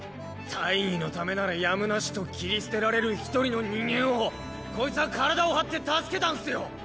大義のためならやむなしと切り捨てられる一人の人間をこいつは体を張って助けたんすよ。